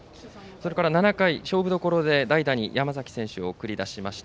７回、勝負どころで代打に山崎選手を送り出しました。